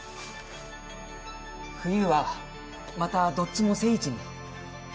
冬はまたどっちも正位置に。